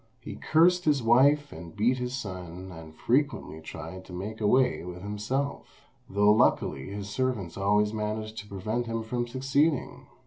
He cursed his wife and beat his son, and frequently tried to make away with himself, though luckily his servants always managed to prevent him from succeeding.